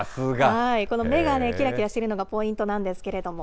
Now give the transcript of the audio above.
この目がきらきらしてるのがポイントなんですけれども。